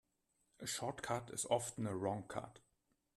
A short cut is often a wrong cut.